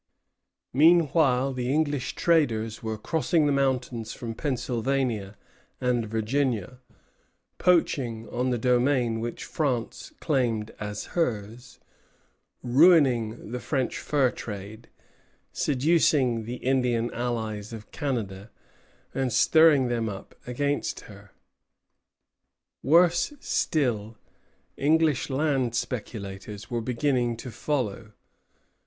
Meanwhile, the English traders were crossing the mountains from Pennsylvania and Virginia, poaching on the domain which France claimed as hers, ruining the French fur trade, seducing the Indian allies of Canada, and stirring them up against her. Worse still, English land speculators were beginning to follow.